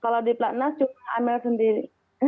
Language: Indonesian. kalau di platnas cuma amel sendiri